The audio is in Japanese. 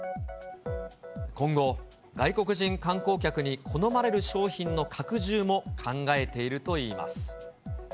今後、外国人観光客に好まれる商品の拡充も考えているといいます。